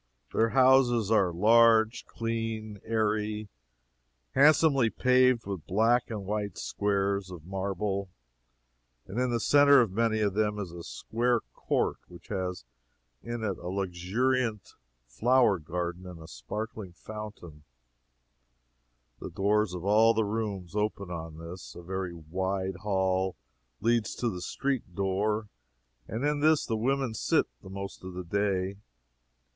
Their houses are large, clean, airy, handsomely paved with black and white squares of marble, and in the centre of many of them is a square court, which has in it a luxuriant flower garden and a sparkling fountain; the doors of all the rooms open on this. A very wide hall leads to the street door, and in this the women sit, the most of the day.